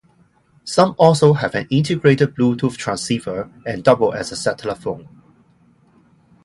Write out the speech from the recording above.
Some also have an integrated Bluetooth transceiver and double as a satellite phone.